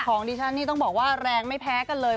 ของดิฉันนี่ต้องบอกว่าแรงไม่แพ้กันเลย